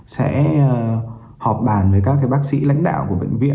sẽ họp bàn với các bác sĩ lãnh đạo của bệnh viện